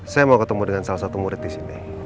saya mau ketemu dengan salah satu murid disini